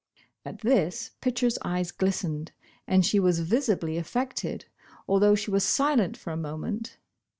At this Pitcher's eyes glistened, and she was visi bly affected, although she was silent for a moment.